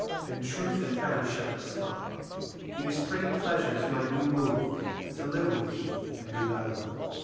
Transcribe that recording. And truth in every shepherd's tongue, These pretty pleasures might me move To live with thee and be thy love.